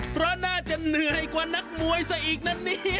เพราะน่าจะเหนื่อยกว่านักมวยซะอีกนะนี่